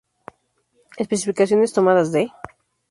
Especificaciones tomadas de